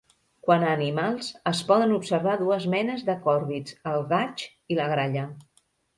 Quant a animals, es poden observar dues menes de còrvids: el gaig i la gralla.